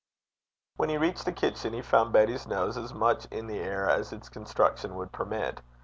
When he reached the kitchen, he found Betty's nose as much in the air as its construction would permit.